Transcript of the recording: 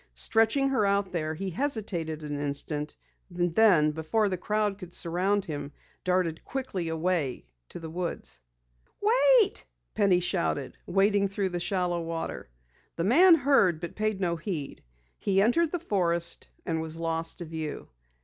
Stretching her out there, he hesitated an instant, and then before the crowd could surround him, darted quickly away toward the woods. "Wait!" Penny shouted, wading through the shallow water. The man heard, but paid no heed. He entered the forest and was lost to view.